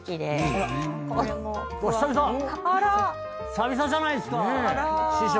久々じゃないっすか師匠。